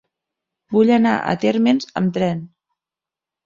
Vull anar a Térmens amb tren.